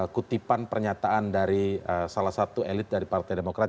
kutipan pernyataan dari salah satu elit dari partai demokrat